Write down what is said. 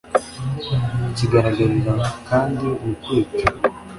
Kigaragarira kandi mu kwica